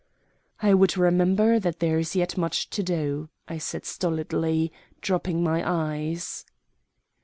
"I would remember that there is yet much to do," I said stolidly, dropping my eyes.